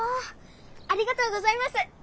ありがとうございますッ！